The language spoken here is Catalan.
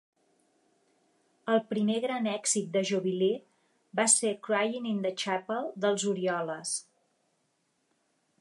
El primer gran èxit de Jubilee va ser "Crying in the Chapel" dels Orioles.